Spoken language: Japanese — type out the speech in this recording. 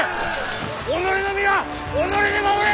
己の身は己で守れ！